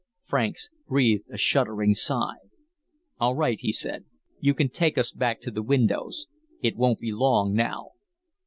Franks breathed a shuddering sigh. "All right," he said. "You can take us back to the windows. It won't be long now."